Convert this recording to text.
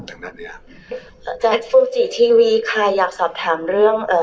ตรงด้านเนี้ยอ่าจากทีวีใครอยากสอบถามเรื่องเอ่อ